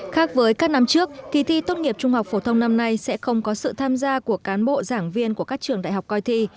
khác với các năm trước kỳ thi tốt nghiệp trung học phổ thông năm nay sẽ không có sự tham gia của cán bộ giảng viên của các trường đại học coi thi